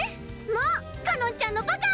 もうかのんちゃんのバカ！